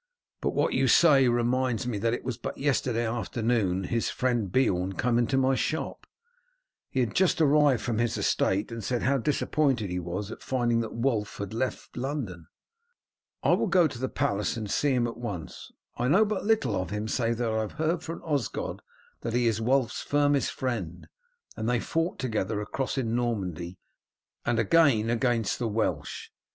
But what you say reminds me that it was but yesterday afternoon his friend Beorn came into my shop. He had just arrived from his estate, and said how disappointed he was at finding that Wulf had left London. I will go to the palace and see him at once. I know but little of him save that I have heard from Osgod that he is Wulf's firmest friend, and they fought together across in Normandy and again against the Welsh.